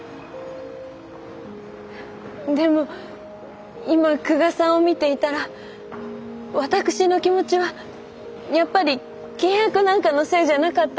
でも今久我さんを見ていたら私の気持ちはやっぱり契約なんかのせいじゃなかったと。